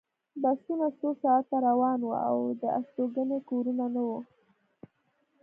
بسونه څو ساعته روان وو او د استوګنې کورونه نه وو